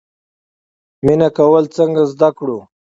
مینه کول څنګه زده کړو؟